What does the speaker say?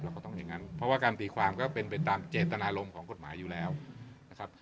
ก็ต้องอย่างนั้นเพราะว่าการตีความก็เป็นไปตามเจตนารมณ์ของกฎหมายอยู่แล้วนะครับ